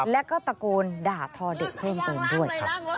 แล้วก็ตะโกนด่าทอเด็กเพิ่มเติมด้วย